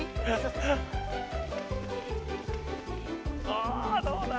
おどうだ？